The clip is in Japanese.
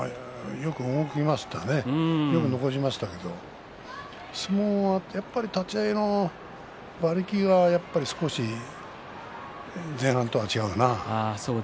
よく残しましたけども相撲はやっぱり立ち合いの馬力が少し前半とは違うな。